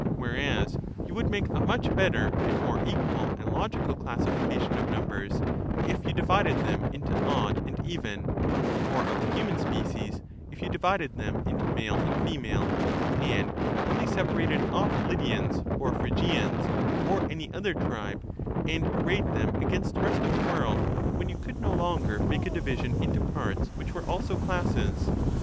Whereas you would make a much better and more equal and logical classification of numbers, if you divided them into odd and even ; or of the human species, if you divided them into male and female ; and only separated off Lydians or Phrygians, or any other tribe, and arrayed them against the rest of the world, when you could no longer make a division into parts which were also classes.